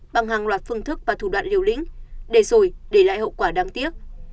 bằng hàng loạt phương thức và thủ đoạn liều lĩnh để rồi để lại hậu quả đáng tiếc